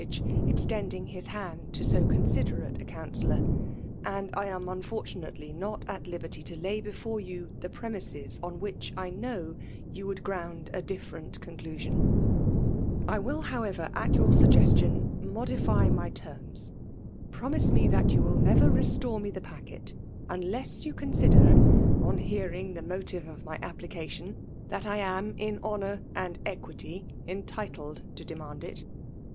tig^, extending hut lumd to' so eom^jbdorato » cQuiiftellor; ''and I am unfortiumlely not at liberty to lay bdTore you the premiaea oa wliich I know you would ground a diSrami conclusion. I will^ however^ at your suggeg tion^ modify my terms. Promise mo that you wfll ner^r restore me the packet^'tiiileaa you consider, on hearing the motive of my application, that I am in honour and equity entitled to demand it?"